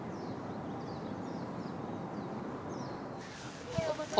おはようございます。